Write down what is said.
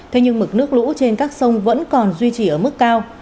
thế nhưng mực nước lũ trên các sông vẫn còn duy trì ở mức cao